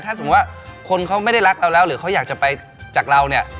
ถ้าสมมุติว่าคนเขาไม่ได้รักเราแล้วหรือเขาอยากจะไปจากเราเนี่ย